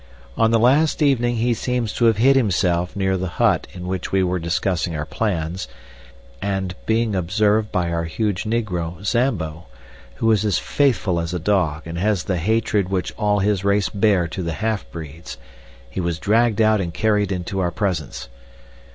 On the last evening he seems to have hid himself near the hut in which we were discussing our plans, and, being observed by our huge negro Zambo, who is as faithful as a dog and has the hatred which all his race bear to the half breeds, he was dragged out and carried into our presence.